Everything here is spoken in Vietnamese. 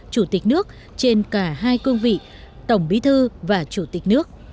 chủ tịch nước trên cả hai cương vị tổng bí thư và chủ tịch nước